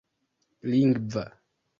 lingva